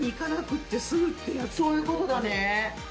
そういうことだね。